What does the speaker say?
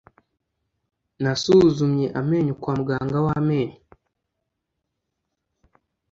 Nasuzumye amenyo kwa muganga w'amenyo.